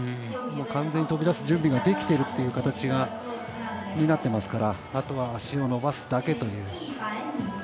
完全に飛び出す準備ができている形になってますからあとは足を伸ばすだけという。